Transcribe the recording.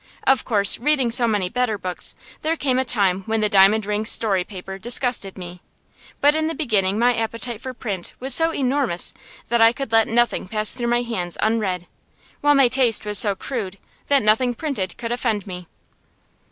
Of course, reading so many better books, there came a time when the diamond ring story paper disgusted me; but in the beginning my appetite for print was so enormous that I could let nothing pass through my hands unread, while my taste was so crude that nothing printed could offend me.